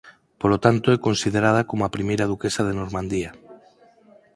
Polo tanto é considerada como a primeira Duquesa de Normandía.